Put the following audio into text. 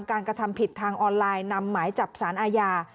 กระทำผิดทางออนไลน์นำหมายจับสารอาญา